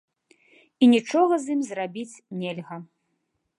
І нічога з ім зрабіць нельга.